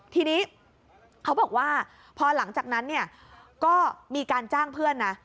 ทีนี้เขาบอกว่าพอหลังจากนั้นเนี่ยก็มีการจ้างเพื่อนนะ